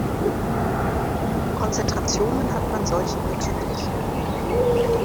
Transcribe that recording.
Konzentrationen hat man solche bzgl.